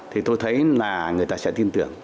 thì tôi thấy là người ta sẽ tin tưởng